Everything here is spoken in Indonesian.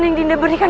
yakin dan tahan